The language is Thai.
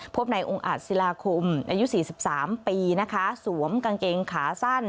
พบในองค์อ่าดสิลาคมอ๔๓ปีสวมกางเกงขาสั้น